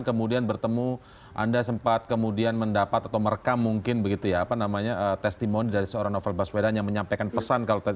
kemudian bertemu anda sempat kemudian mendapat atau merekam mungkin begitu ya apa namanya testimoni dari seorang novel baswedan yang menyampaikan pesan